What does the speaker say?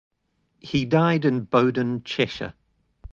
He died in Bowdon, Cheshire.